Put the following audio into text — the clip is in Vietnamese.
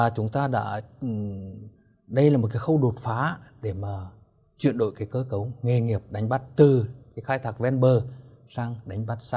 chúng ta đã tạo ra một khâu đột phá để chuyển đổi cơ cấu nghề nghiệp đánh bắt từ khai thạc ven bờ đến đánh bắt xa bờ